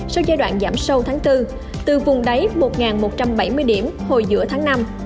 sau giai đoạn giảm sâu tháng bốn từ vùng đáy một một trăm bảy mươi điểm hồi giữa tháng năm